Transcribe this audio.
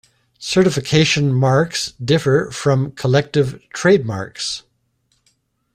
Certification marks differ from collective trade marks.